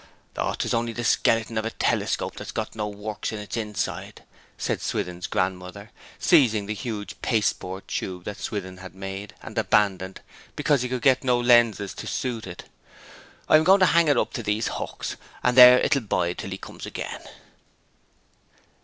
'Oh, 'tis only the skeleton of a telescope that's got no works in his inside,' said Swithin's grandmother, seizing the huge pasteboard tube that Swithin had made, and abandoned because he could get no lenses to suit it. 'I am going to hang it up to these hooks, and there it will bide till he comes again.'